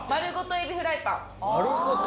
エビフライパン。